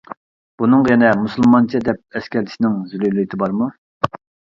بۇنىڭغا يەنە «مۇسۇلمانچە» دەپ ئەسكەرتىشنىڭ زۆرۈرىيىتى بارمۇ؟ .